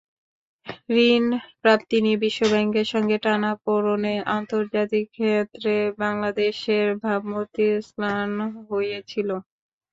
ঋণপ্রাপ্তি নিয়ে বিশ্বব্যাংকের সঙ্গে টানাপোড়েনে আন্তর্জাতিক ক্ষেত্রে বাংলাদেশের ভাবমূর্তি ম্লান হয়েছিল।